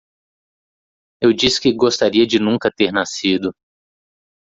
Eu disse que gostaria de nunca ter nascido.